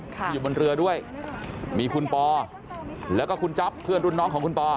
ที่อยู่บนเรือด้วยมีคุณปอแล้วก็คุณจ๊อปเพื่อนรุ่นน้องของคุณปอ